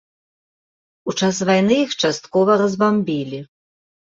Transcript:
У час вайны іх часткова разбамбілі.